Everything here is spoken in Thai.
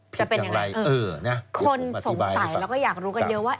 จะเป็นยังไงคนสงสัยแล้วก็อยากรู้กันเยอะว่า